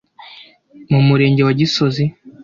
mu Murenge wa Gisozi